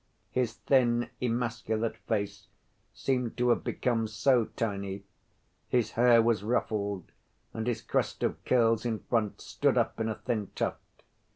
His thin emasculate face seemed to have become so tiny; his hair was ruffled, and his crest of curls in front stood up in a thin tuft.